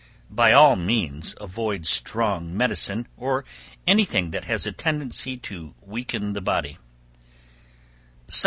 By all means avoid strong medicine, or any thing that has a tendency to weaken the body.